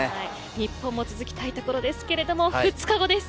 日本も続きたいところですけれども、２日後です。